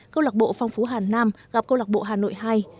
câu lạc bộ phong phú hàn nam gặp câu lạc bộ hà nội hai